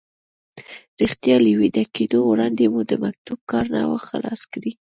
رښتیا له ویده کېدو وړاندې مو د مکتوب کار نه و خلاص کړی.